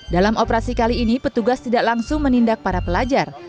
dalam operasi kali ini petugas tidak langsung menindak para pelajar